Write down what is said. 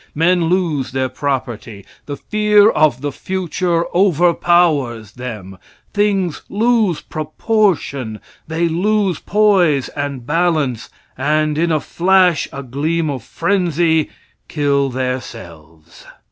Men lose their property. The fear of the future over powers them. Things lose proportion, they lose poise and balance, and in a flash, a gleam of frenzy, kill their selves.